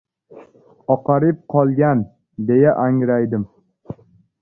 — Oqarib qolgan? — deya angraydim.